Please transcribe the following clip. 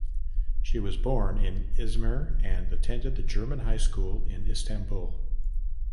She was born in Izmir and attended the German High School in Istanbul.